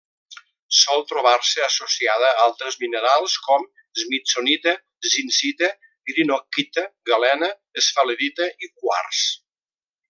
Sol trobar-se associada a altres minerals com: smithsonita, zincita, greenockita, galena, esfalerita i quars.